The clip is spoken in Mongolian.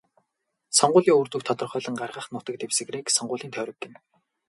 Сонгуулийн үр дүнг тодорхойлон гаргах нутаг дэвсгэрийг сонгуулийн тойрог гэнэ.